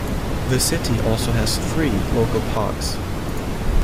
The city also has three local parks.